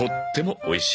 おいしい！